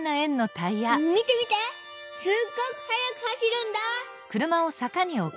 見て見てすっごくはやく走るんだ！」。